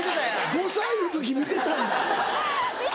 ５歳の時見てたんだ。